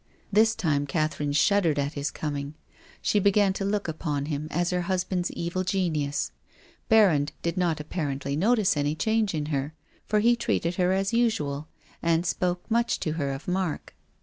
This time Catherine shuddered at his coming. She began to look upon him as her husband's evil genius. Berrand did not appar ently notice any change in her, for he treated her as usual, and spoke much to her of Mark.